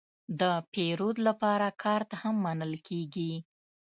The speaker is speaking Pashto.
د پیرود لپاره کارت هم منل کېږي.